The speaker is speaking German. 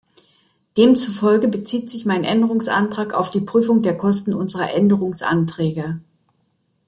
Demzufolge bezieht sich mein Änderungsantrag auf die Prüfung der Kosten unserer Änderungsanträge.